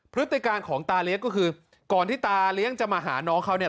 พฤติการของตาเลี้ยงก็คือก่อนที่ตาเลี้ยงจะมาหาน้องเขาเนี่ย